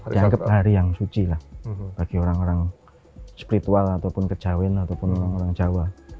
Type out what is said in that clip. dianggap hari yang suci lah bagi orang orang spiritual ataupun kejawin ataupun orang orang jawa